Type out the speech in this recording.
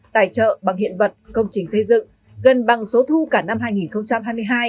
tài trợ bằng hiện vật công trình xây dựng gần bằng số thu cả năm hai nghìn hai mươi hai